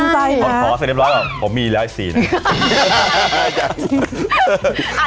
ขอเสร็จเรียบร้อยว่าผมมีแล้วสินะ